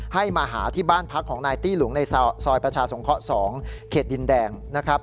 ให้มาหาที่บ้านพักของนายตี้หลุงในซอยประชาสงเคราะห์๒เขตดินแดงนะครับ